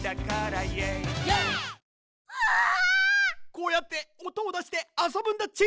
こうやっておとをだしてあそぶんだっち。